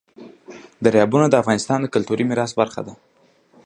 دریابونه د افغانستان د کلتوري میراث برخه ده.